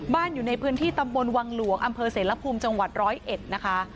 อยู่ในพื้นที่ตำบลวังหลวงอำเภอเสรภูมิจังหวัดร้อยเอ็ดนะคะ